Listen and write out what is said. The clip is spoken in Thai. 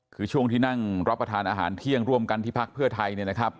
คือช่วงที่นั่งรับประทานอาหารเที่ยงร่วมกันที่พักเพื่อไทยเนี่ยนะครับ